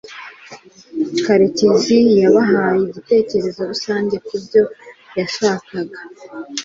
karekezi yabahaye igitekerezo rusange kubyo yashakaga